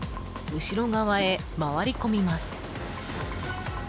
後ろ側へ回り込みます。